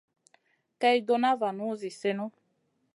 Kay ɗona vanu zi sèhnu.